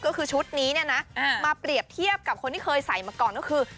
ก็คือชุดนี้เนี่ยนะมาเปรียบเทียบกับคนที่เคยใส่มาก่อนก็คือ